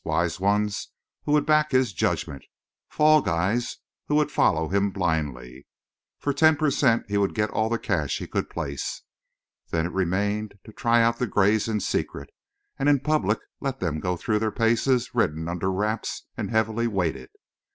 "Wise ones" who would back his judgment. "Fall guys" who would follow him blindly. For ten percent he would get all the cash he could place. Then it remained to try out the grays in secret, and in public let them go through the paces ridden under wraps and heavily weighted.